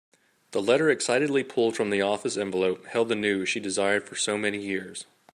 The letter excitedly pulled from that official envelope held the news she desired for so many years.